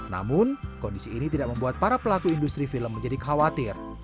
namun kondisi ini tidak membuat para pelaku industri film menjadi khawatir